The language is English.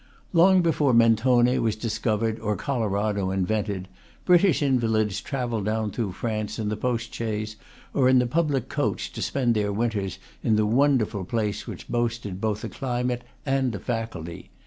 Long before Mentone was dis covered or Colorado invented, British invalids travelled down through France in the post chaise or the public coach to spend their winters in the wonderful place which boasted both a climate and a faculty.